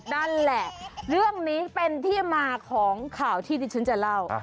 นั่นแหละเรื่องนี้เป็นที่มาของข่าวที่ที่ฉันจะเล่า